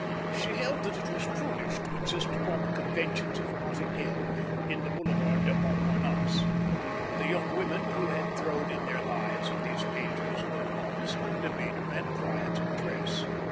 She held that it was prudish to insist upon the conventions of Notting Hill in the Boulevard de Montparnasse. The young women who had thrown in their lives with these painters were modest in demeanour and quiet in dress.